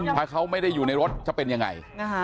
ถ้าเขาไม่ได้อยู่ในรถจะเป็นยังไง